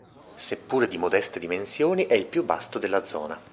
Seppure di modeste dimensioni è il più vasto della zona.